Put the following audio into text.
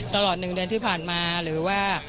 ตลอด๑เดือนที่ผ่านมาหรือว่า